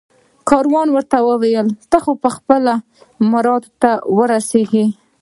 کاروان ورته وویل ته به خپل مراد ته ورسېږې